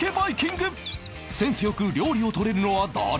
センス良く料理を取れるのは誰？